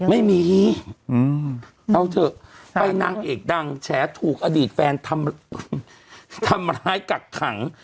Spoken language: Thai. ไม่มีเอาเถอะไปนางเอกดังแฉถูกอดีตแฟนทำร้ายกักขัง